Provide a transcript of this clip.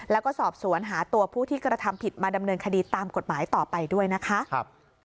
แล้วก็สอบสวนหาตัวผู้ที่กระทำผิดมาดำเนินคดีตามกฎหมายต่อไปด้วยนะคะ